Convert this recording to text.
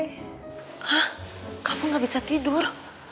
hah kamu gak bisa tidur